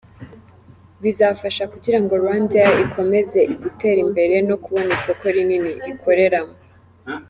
Bizafasha kugira ngo RwandAir ikomeze gutera imbere no kubona isoko rinini ikoreramo.